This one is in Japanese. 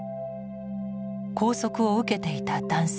拘束を受けていた男性。